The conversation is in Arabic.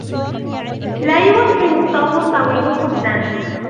لا يوفر الصوم الطويل خبزاً.